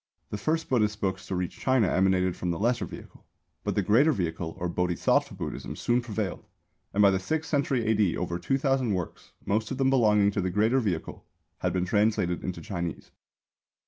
The first Buddhist books to reach China emanated from the Lesser Vehicle. But the Greater Vehicle or Bodhisattva Buddhism soon prevailed, and by the sixth century A.D. over two thousand works, most of them belonging to the Greater Vehicle, had been translated into Chinese.